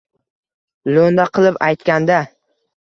Lo‘nda qilib aytganda